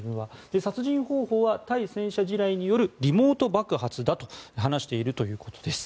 殺人方法は対戦車地雷によるリモート爆発だと話しているということです。